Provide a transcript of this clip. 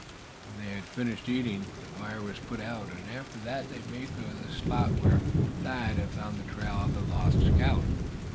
When they had finished eating, the fire was put out; and after that they made for the spot where Thad had found the trail of the lost scout.